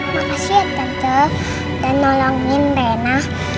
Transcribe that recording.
makasih tante dan nolongin reina